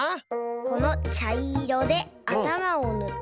このちゃいろであたまをぬって。